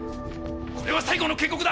これは最後の警告だ。